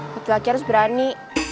lagi lagi harus berani